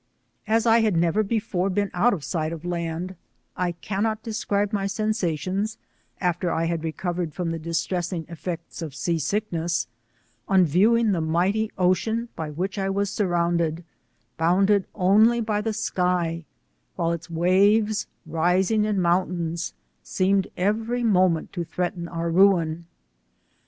As I had never before been out of sight of laud, I cannot describe my sensations, after I had recovered from the distressing eflfecfrs of sea sickness, on viewing the mighty ocean by which I was surrounded, bound only by the sky, while its waves rising in mountains, seemed every moment to threaten our ruin..